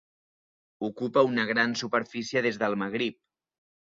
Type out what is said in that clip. Ocupa una gran superfície des del Magrib.